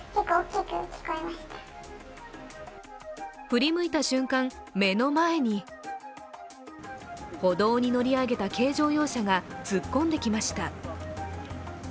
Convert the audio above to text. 振り向いた瞬間、目の前に歩道に乗り上げた軽乗用車が突っ込んできました。